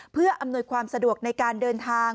เพื่ออำนวยความสะดวกในการเดินทาง